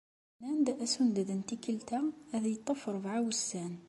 Nnan-d asunded n tikkelt-a ad yeṭṭef ṛebɛa n wussan.